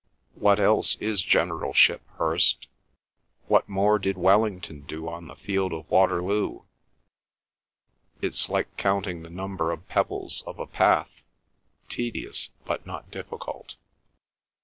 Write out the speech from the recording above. What else is generalship, Hirst? What more did Wellington do on the field of Waterloo? It's like counting the number of pebbles of a path, tedious but not difficult."